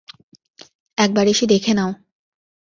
একবার এসে দেখে নাও।